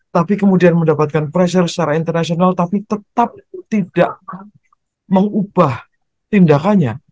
tapi kemudian mendapatkan pressure secara internasional tapi tetap tidak mengubah tindakannya